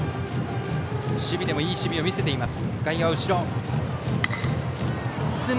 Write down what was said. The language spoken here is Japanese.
守備でもいい守備を見せています。